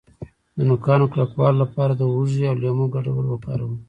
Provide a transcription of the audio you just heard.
د نوکانو کلکولو لپاره د هوږې او لیمو ګډول وکاروئ